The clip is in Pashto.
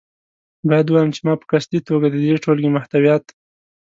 باید ووایم چې ما په قصدي توګه د دې ټولګې محتویات.